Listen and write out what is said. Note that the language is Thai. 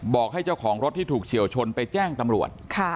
บอกให้เจ้าของรถที่ถูกเฉียวชนไปแจ้งตำรวจ